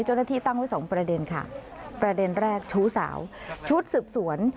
เจ้าหน้าที่ตั้งไว้สองประเด็นค่ะประเด็นแรกชู้สาวชุดสืบสวน